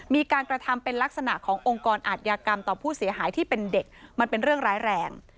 มีการกระทำเป็นลักษณะขององค์กรอาทยากรรมต่อผู้เสียหายที่เป็นเด็กมันเป็นเรื่องร้ายแรง